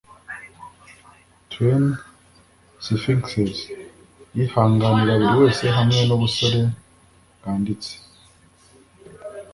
twain sphinxes yihanganira buriwese hamwe nubusore bwanditse